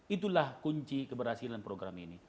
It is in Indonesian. itulah kunci keberhasilan program ini